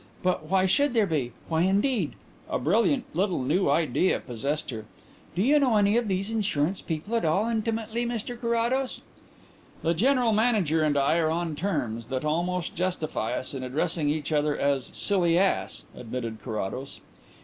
But why should there be? Why indeed?" A brilliant little new idea possessed her. "Do you know any of these insurance people at all intimately, Mr Carrados?" "The General Manager and I are on terms that almost justify us in addressing each other as 'silly ass,'" admitted Carrados.